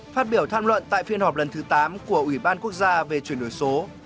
phát biểu tham luận tại phiên họp lần thứ tám của ủy ban quốc gia về chuyển đổi số